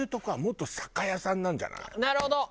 なるほど！